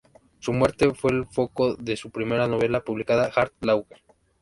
Su muerte fue el foco de su primera novela publicada, "Hard Laughter".